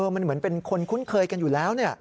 มันเหมือนเป็นคนคุ้นเคยกันอยู่แล้ว